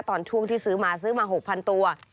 ช่วงที่ซื้อมาซื้อมา๖๐๐๐ตัว